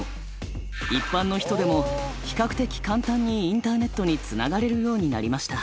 一般の人でも比較的簡単にインターネットにつながれるようになりました。